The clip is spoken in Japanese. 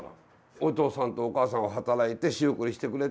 お父さんとお母さんは働いて仕送りしてくれて。